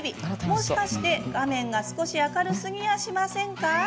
もしかして画面が少し明るすぎやしませんか。